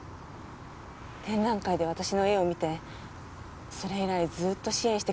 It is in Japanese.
展覧会で私の絵を見てそれ以来ずっと支援してくださいました。